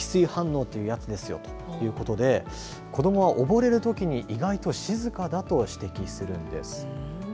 溺水反応ってやつですよということで子どもは溺れるときに意外と静かだと指摘するんです。